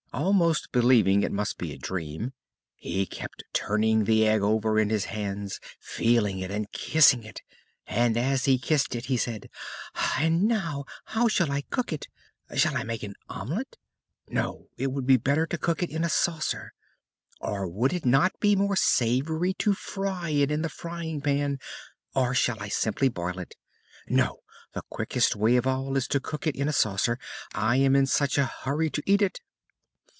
Almost believing it must be a dream he kept turning the egg over in his hands, feeling it and kissing it. And as he kissed it he said: "And now, how shall I cook it? Shall I make an omelet? No, it would be better to cook it in a saucer! Or would it not be more savory to fry it in the frying pan? Or shall I simply boil it? No, the quickest way of all is to cook it in a saucer: I am in such a hurry to eat it!"